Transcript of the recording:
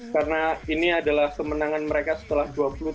karena ini adalah kemenangan mereka setelah dua puluh tahun lamanya